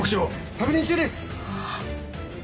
確認中です！